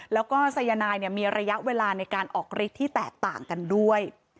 แล้วก็สายนายมีระยะเวลาในการออกฤทธิ์ที่แตกต่างกันด้วย